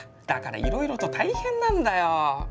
だからいろいろと大変なんだよ。